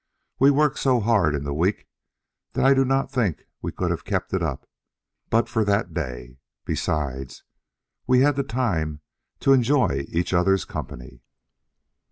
we worked so hard in the week, that I do not think we could have kept up to it, but for that day; besides, we had then time to enjoy each other's company.